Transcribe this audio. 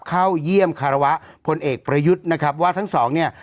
เข้าเยี่ยมคารวะพลเอกประยุทธ์นะครับว่าทั้งสองเนี่ย